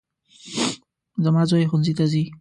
زما زوی ښوونځي ته ځي